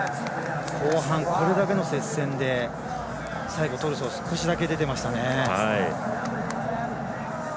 後半、これだけの接戦で最後、トルソー少しだけ出てましたね。